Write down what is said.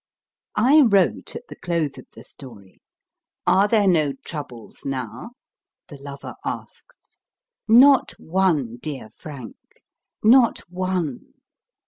I wrote at the close of the story : 1 Are there no troubles now ? the lover asks. Not one, dear Frank. Not one.